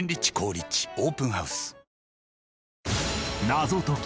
『謎解き！